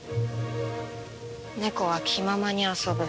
ネコは気ままに遊ぶ。